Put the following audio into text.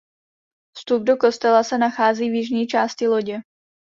Vstup do kostela se nachází v jižní části lodě.